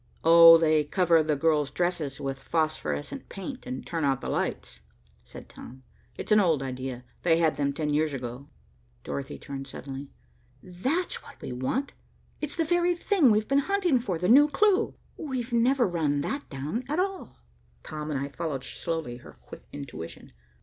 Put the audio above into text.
"Oh, they cover the girls' dresses with phosphorescent paint, and turn out the lights," said Tom. "It's an old idea. They had them ten years ago." Dorothy turned suddenly. "That's what we want. It's the very thing we've been hunting for, the new clue. We've never run that down, at all." Tom and I followed slowly her quick intuition.